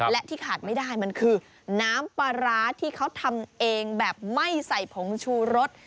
และที่ขาดไม่ได้มันคือน้ำปลาร้าที่เขาทำเองแบบไม่ใส่ผงชูรส